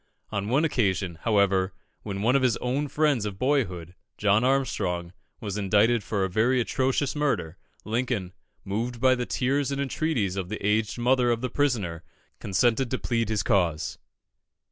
On one occasion, however, when one of his own friends of boyhood, John Armstrong, was indicted for a very atrocious murder, Lincoln, moved by the tears and entreaties of the aged mother of the prisoner, consented to plead his cause.